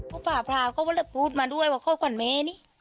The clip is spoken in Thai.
เขาพาพลาเขาบอกแล้วพูดมาด้วยว่าเขากว่านแม่นี่